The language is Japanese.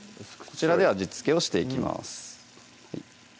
こちらで味付けをしていきます